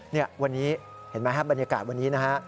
นี่วันนี้เห็นไหมครับบรรยากาศวันนี้นะฮะ